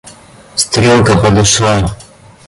Стрелка подошла.